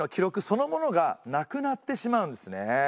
そのものがなくなってしまうんですね。